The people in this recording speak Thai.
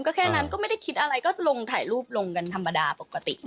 ก็แค่นั้นก็ไม่ได้คิดอะไรก็ลงถ่ายรูปลงกันธรรมดาปกติ